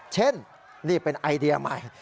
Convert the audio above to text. เช่นนี่เป็นไอเดียใหม่